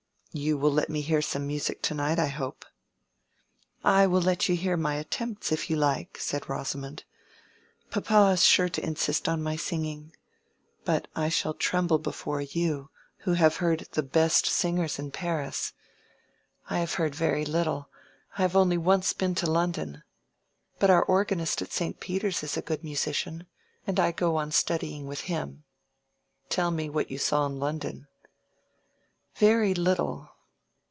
"You will let me hear some music to night, I hope." "I will let you hear my attempts, if you like," said Rosamond. "Papa is sure to insist on my singing. But I shall tremble before you, who have heard the best singers in Paris. I have heard very little: I have only once been to London. But our organist at St. Peter's is a good musician, and I go on studying with him." "Tell me what you saw in London." "Very little."